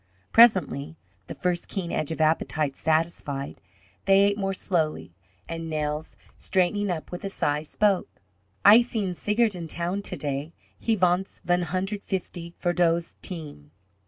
Presently, the first keen edge of appetite satisfied, they ate more slowly, and Nels, straightening up with a sigh, spoke: "Ay seen Seigert in town ta day. Ha vants von hundred fifty fer dose team."